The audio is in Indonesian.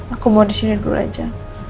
aku mau disini dulu aja